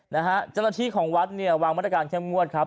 นะฮะจรฐีของวัดเนี่ยวางมาตรการเช่นงวดครับ